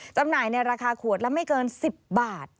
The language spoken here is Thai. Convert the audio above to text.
จำหน่ายในราคาขวดละไม่เกิน๑๐บาท